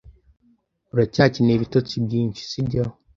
Uracyakeneye ibitotsi byinshi, sibyo?